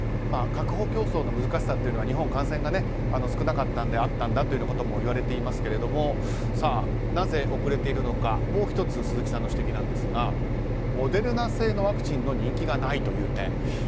確保競争の難しさは日本は感染が少なかったのであったんだということもいわれていますけどなぜ遅れているのかもう１つ鈴木さんの指摘ですがモデルナ製のワクチンの人気がないという点。